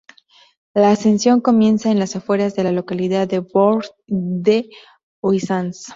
La ascensión comienza en las afueras de la localidad de Bourg-d'Oisans.